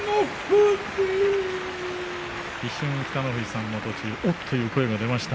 一瞬、北の富士さんも途中、おおっという声が出ました。